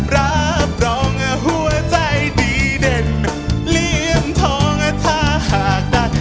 รับรองหัวใจดีเด่นเลี่ยมทองถ้าหากได้